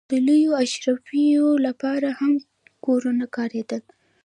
د لویو اشرافو لپاره هم کورونه کارېدل.